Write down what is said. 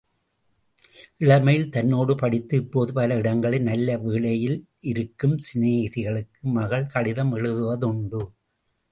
இளமையில் தன்னோடு படித்து இப்போது பல இடங்களில் நல்ல வேளையில் இருக்கும் சிநேகிதிகளுக்கு மகள் கடிதம் எழுதுவதுண்டு.